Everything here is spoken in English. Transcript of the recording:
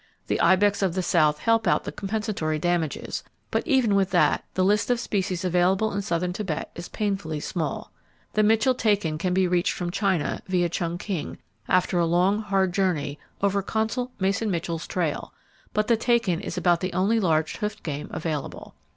The ibex of the south help out the compensatory damages, but even with that, the list of species available in southern Tibet is painfully small. The Mitchell takin can be reached from China, via Chungking, after a long, hard journey, over Consul Mason Mitchell's trail; but the takin is about the only large hoofed game available.